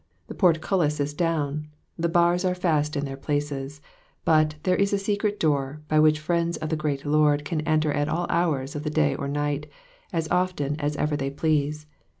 the portcullis is down, the bars «are fast in their places ; but, there is a secret door, by which friends of the great Lord can enter at all hours of the day or night, as often as ever they please.